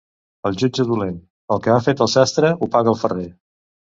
El jutge dolent: el que ha fet el sastre ho paga el ferrer.